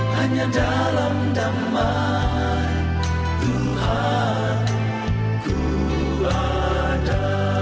hanya dalam damaan tuhan ku ada